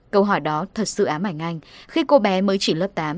câu hỏi đó thật sự ám ảnh anh khi cô bé mới chỉ lớp tám